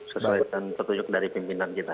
sesuai dengan petunjuk dari pimpinan kita